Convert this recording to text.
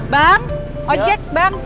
bang ojek bang